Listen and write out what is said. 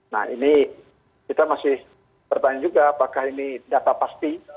nah ini kita masih bertanya juga apakah ini data pasti